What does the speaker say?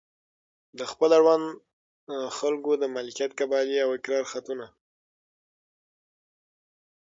د خپلو اړونده خلکو د مالکیت قبالې او اقرار خطونه.